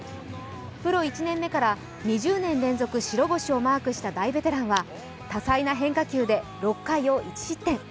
プロ１年目から２０年連続白星をマークした大ベテランは多彩な変化球で６回を１失点。